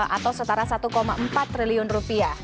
atau setara satu empat triliun rupiah